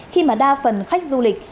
khi mà đa phần khách du lịch